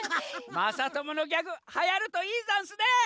まさとものギャグはやるといいざんすね！